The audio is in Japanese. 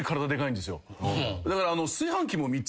だから。